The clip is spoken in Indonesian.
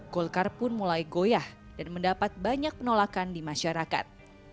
golkar pun mulai goyah dan mendapat banyak penolakan di masyarakat